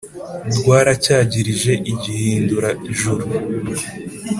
rwaracyagirije i gihindura-juru.